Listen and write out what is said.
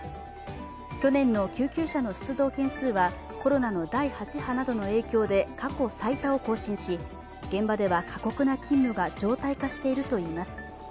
去年の救急車の出動件数はコロナの第８波などの影響で過去最多を更新し現場では過酷な勤務が常態化しているといいます。